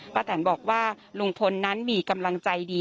แตนบอกว่าลุงพลนั้นมีกำลังใจดี